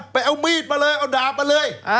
ไปเอามีดมาเลย